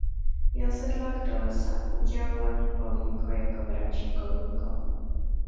Jel sedlák do lesa, uťal lani polínko jako vrabčí kolínko.